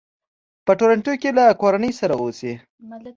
په ټورنټو کې له کورنۍ سره اوسي.